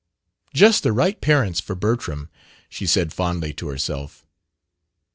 "Just the right parents for Bertram," she said fondly, to herself.